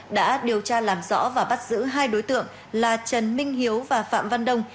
đã điều tra làm rõ và bắt giữ hai đối tượng là trần minh hiếu và phạm văn đông